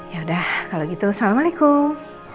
yaudah kalau gitu assalamualaikum